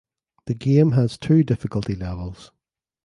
The game has two difficulty levels.